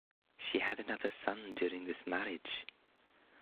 She had another son during this marriage.